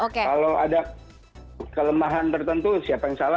kalau ada kelemahan tertentu siapa yang salah